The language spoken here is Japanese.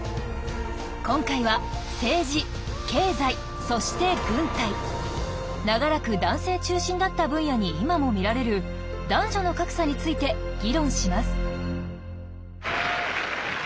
今回は政治経済そして軍隊長らく男性中心だった分野に今も見られる男女の格差について議論します。